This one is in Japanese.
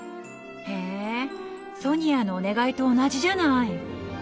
へえソニアのお願いと同じじゃない。